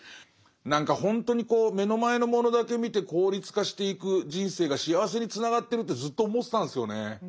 何かほんとに目の前のものだけ見て効率化していく人生が幸せにつながってるってずっと思ってたんですよね。